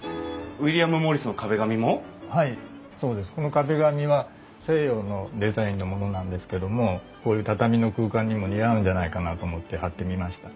この壁紙は西洋のデザインのものなんですけどもこういう畳の空間にも似合うんじゃないかなと思って貼ってみました。